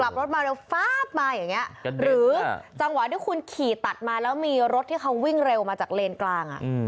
ขับรถมาเร็วฟ้าบมาอย่างนี้หรือจังหวะที่คุณขี่ตัดมาแล้วมีรถที่เขาวิ่งเร็วมาจากเลนกลาง